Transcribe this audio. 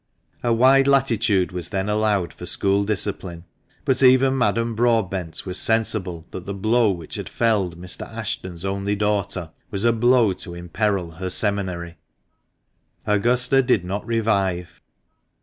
A wide latitude was then allowed for school discipline; but even Madame Broadbent was sensible that the blow which had felled Mr. Ashton's only daughter was a blow to imperil her seminary. Augusta did not revive.